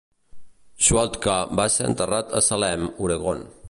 Schwatka va ser enterrat a Salem, Oregon.